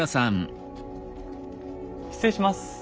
失礼します。